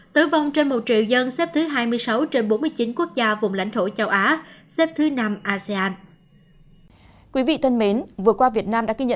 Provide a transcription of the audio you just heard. tử vong trên một triệu dân xếp thứ hai mươi sáu trên bốn mươi chín quốc gia vùng lãnh thổ châu á xếp thứ năm asean